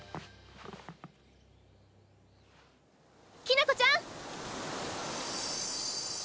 きな子ちゃん！